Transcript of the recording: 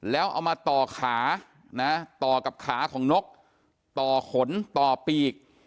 แล้วเอามาต่อขานะต่อกับขาของนกต่อขนต่อปีก